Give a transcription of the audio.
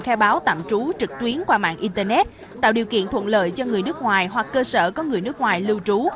khai báo tạm trú trực tuyến qua mạng internet tạo điều kiện thuận lợi cho người nước ngoài hoặc cơ sở có người nước ngoài lưu trú